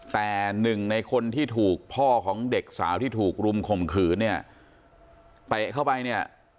แต่หนึ่งในคนที่ถูกพ่อของเด็กสาวที่ถูกรุมข่มขือเนี่ย